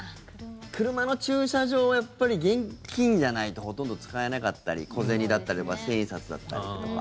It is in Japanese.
車の駐車場、現金じゃないとほとんど使えなかったり小銭だったりとか千円札だったりとか。